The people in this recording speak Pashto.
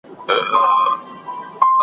د سپي محتاج .